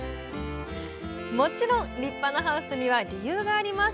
もちろん立派なハウスには理由があります！